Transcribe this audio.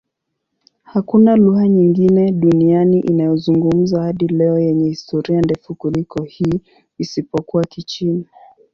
Hakuna lugha nyingine duniani inayozungumzwa hadi leo yenye historia ndefu kuliko hii, isipokuwa Kichina.